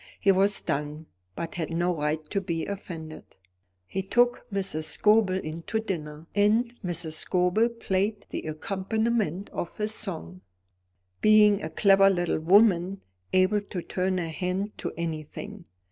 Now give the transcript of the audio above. He was stung, but had no right to be offended. He took Mrs. Scobel in to dinner, and Mrs. Scobel played the accompaniment of his song, being a clever little woman, able to turn her hand to any thing.